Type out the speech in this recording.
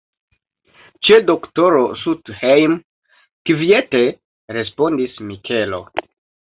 Ĉe doktoro Stuthejm, kviete respondis Mikelo.